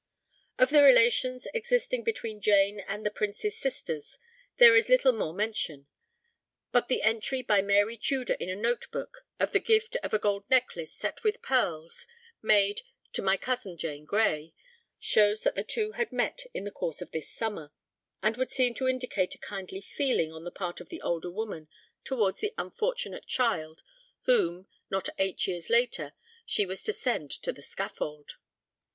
Of the relations existing between Jane and the Prince's sisters there is little more mention; but the entry by Mary Tudor in a note book of the gift of a gold necklace set with pearls, made "to my cousin, Jane Gray," shows that the two had met in the course of this summer, and would seem to indicate a kindly feeling on the part of the older woman towards the unfortunate child whom, not eight years later, she was to send to the scaffold.